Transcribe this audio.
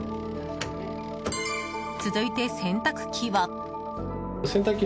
続いて、洗濯機は。